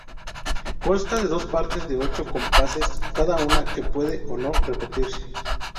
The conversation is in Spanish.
Consta de dos partes de ocho compases cada una, que pueden o no repetirse.